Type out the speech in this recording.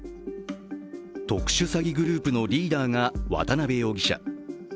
特殊詐欺グループのリーダーが渡辺容疑者。